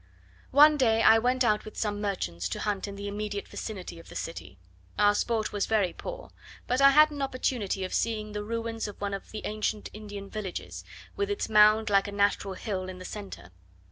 One day I went out with some merchants to hunt in the immediate vicinity of the city. Our sport was very poor; but I had an opportunity of seeing the ruins of one of the ancient Indian villages, with its mound like a natural hill in the centre.